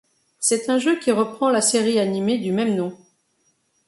C'est un jeu qui reprend la série animée du même nom.